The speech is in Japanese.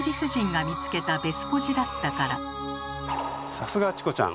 さすがチコちゃん。